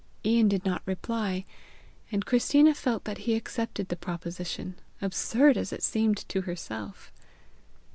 Ian did not reply, and Christina felt that he accepted the proposition, absurd as it seemed to herself.